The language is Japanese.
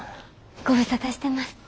ご無沙汰してます。